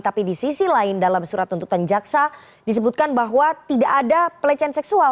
tapi di sisi lain dalam surat tuntutan jaksa disebutkan bahwa tidak ada pelecehan seksual